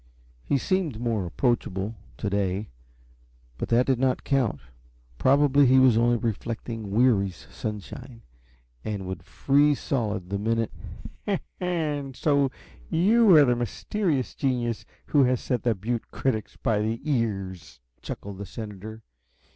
He seemed more approachable to day, but that did not count probably he was only reflecting Weary's sunshine, and would freeze solid the minute "And so you are the mysterious genius who has set the Butte critics by the ears!" chuckled the senator.